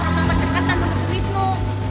kau itu lagi berantakan terkata sama semismu